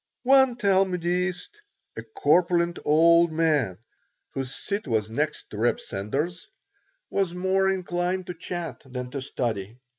One Talmudist, a corpulent old man whose seat was next to Reb Sender's, was more inclined to chat than to study.